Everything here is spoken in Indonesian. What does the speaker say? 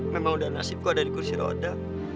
memang udah nasibku ada di kursi roda